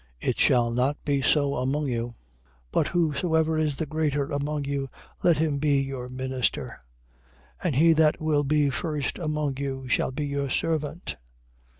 20:26. It shall not be so among you: but whosoever is the greater among you, let him be your minister. 20:27. And he that will be first among you shall be your servant.